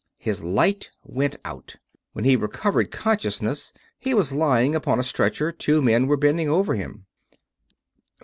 His light went out. When he recovered consciousness he was lying upon a stretcher; two men were bending over him.